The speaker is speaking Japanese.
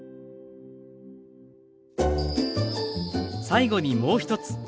最後にもう一つ。